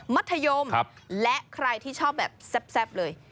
มัธยมและใครที่ชอบแบบแซ่บเลย